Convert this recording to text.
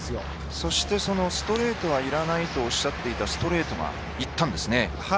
そのストレートがいらないとおっしゃっていたストレートがいったんですね。